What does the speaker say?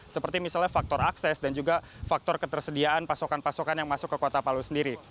seperti misalnya faktor akses dan juga faktor ketersediaan pasokan pasokan yang masuk ke kota palu sendiri